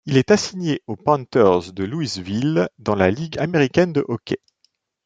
Il est assigné aux Panthers de Louisville dans la Ligue américaine de hockey.